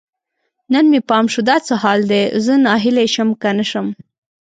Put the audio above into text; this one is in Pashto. نن مې پام شو، دا څه حال دی؟ زه ناهیلی شم که نه شم